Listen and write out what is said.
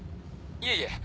いえいえ。